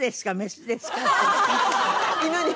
犬に。